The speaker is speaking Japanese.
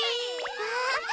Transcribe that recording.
あ。